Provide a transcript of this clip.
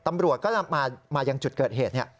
ตำรวจก็มายังจุดเกิดเหตุ